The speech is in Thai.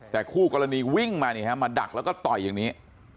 แต่คู่กรณีวิ่งมามาดักแล้วก็ต่อยอย่างนี้